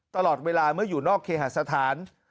ตลอดเวลาเมื่ออยู่นอกเคหาสถาน